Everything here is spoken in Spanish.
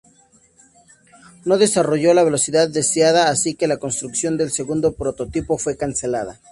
No desarrolló la velocidad deseada, así que la construcción del segundo prototipo fue cancelada.